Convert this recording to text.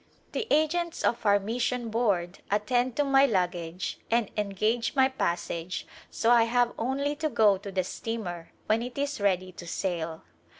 The agents of our mission board attend to my lug gage and engage my passage so I have only to go to the steamer when it is ready to sail.